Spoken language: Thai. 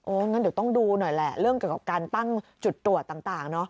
งั้นเดี๋ยวต้องดูหน่อยแหละเรื่องเกี่ยวกับการตั้งจุดตรวจต่างเนอะ